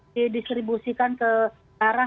didistribusikan ke arah